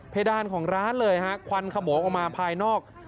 ดานของร้านเลยฮะควันขโมงออกมาภายนอก